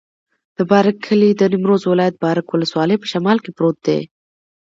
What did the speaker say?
د بارک کلی د نیمروز ولایت، بارک ولسوالي په شمال کې پروت دی.